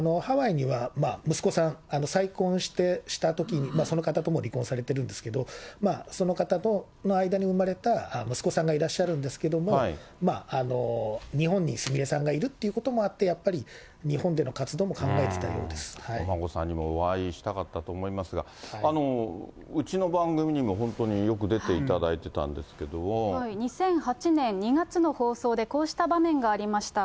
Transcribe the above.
ハワイには息子さん、再婚したときに、その方とも離婚されてるんですけど、その方の間に産まれた息子さんがいらっしゃるんですけれども、日本にすみれさんがいるということもあって、やっぱり日本での活動お孫さんにもお会いしたかったと思いますが、うちの番組にも本当によく出ていただいてたんで２００８年２月の放送で、こうした場面がありました。